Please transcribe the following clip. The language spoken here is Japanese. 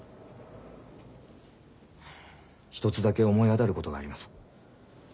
一つだけ思い当たることがあります。